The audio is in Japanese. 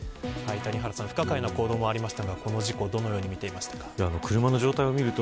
谷原さん、不可解な行動がありましたが、この事故どのように見ていますか。